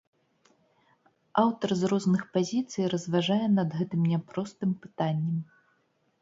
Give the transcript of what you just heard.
Аўтар з розных пазіцый разважае над гэтым няпростым пытаннем.